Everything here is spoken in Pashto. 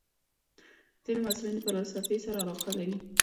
ځینې محصلین د فلسفې سره علاقه لري.